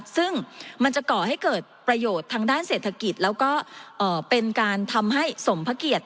ซึ่งมันจะก่อให้เกิดประโยชน์ทางด้านเศรษฐกิจแล้วก็เป็นการทำให้สมพระเกียรติ